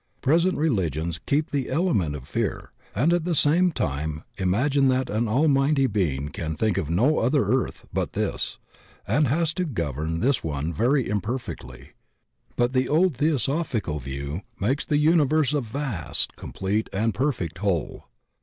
Present religions keep the element of fear, and at the same time imagine diat an Almighty being can think of no other earth but this and has to govern this one very imperfectly. But the old theosophical view makes die universe a vast, complete, and perfect whole.